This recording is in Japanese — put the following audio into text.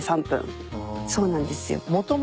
そうなんですよ。